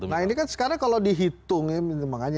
nah ini kan sekarang kalau dihitung ya makanya